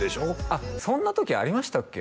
あっそんな時ありましたっけ？